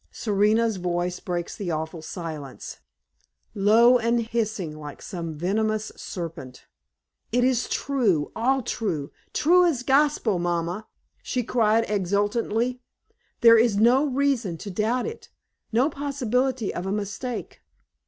Serena's voice breaks the awful silence, low and hissing like some venomous serpent. "It is true all true true as gospel, mamma!" she cried, exultantly. "There is no reason to doubt it no possibility of a mistake.